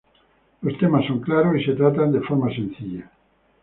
Los temas son claro y se tratan de forma sencilla.